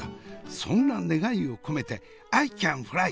そんな願いを込めてアイキャンフライ！